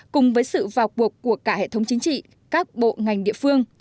cùng với sự vào cuộc của cả hệ thống chính trị các bộ ngành địa phương